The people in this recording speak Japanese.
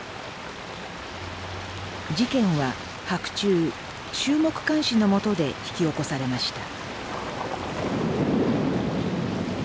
事件は白昼衆目環視の下で引き起こされました。